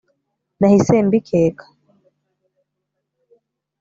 nahise mbikeka